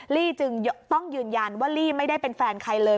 ลี่จึงต้องยืนยันว่าลี่ไม่ได้เป็นแฟนใครเลย